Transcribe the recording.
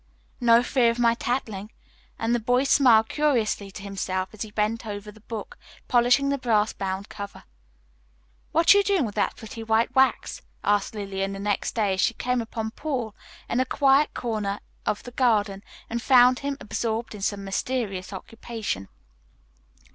"No fear of my tattling," and the boy smiled curiously to himself as he bent over the book, polishing the brassbound cover. "What are you doing with that pretty white wax?" asked Lillian the next day, as she came upon Paul in a quiet corner of the garden and found him absorbed in some mysterious occupation.